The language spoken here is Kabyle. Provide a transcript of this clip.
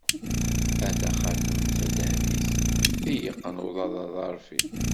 A taxatemt tadehbit, i yeqqen uḍad aḍeṛfi!